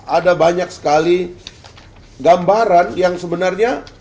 ada banyak sekali gambaran yang sebenarnya